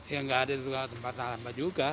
ya nggak ada tempat sampah juga